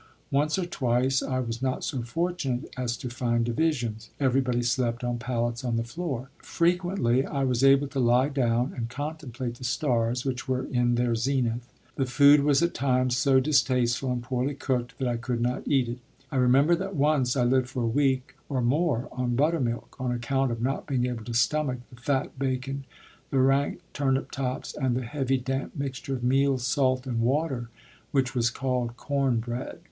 Once or twice I was not so fortunate as to find divisions; everybody slept on pallets on the floor. Frequently I was able to lie down and contemplate the stars which were in their zenith. The food was at times so distasteful and poorly cooked that I could not eat it. I remember that once I lived for a week or more on buttermilk, on account of not being able to stomach the fat bacon, the rank turnip tops, and the heavy damp mixture of meal, salt, and water which was called corn bread.